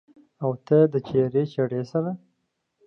او ته له تېرې چړې سره